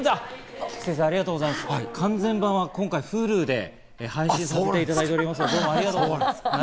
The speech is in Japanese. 完全版は今回、Ｈｕｌｕで配信させていただいておりますので、菊地先生、ありがとうございます。